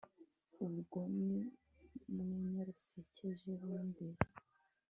Urwo nirwenya rusekeje numvise